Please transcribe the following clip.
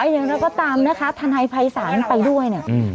อย่างนั้นก็ตามนะคะทนายภัยศาลไปด้วยเนี่ย